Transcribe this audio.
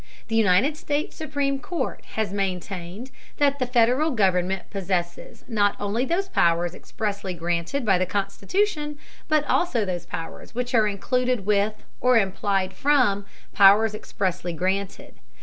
The United States Supreme Court has maintained that the Federal government possesses not only those powers expressly granted by the Constitution, but also those powers which are included with, or implied from, powers expressly granted.